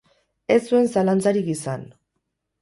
Ez zuen zalantzarik izan.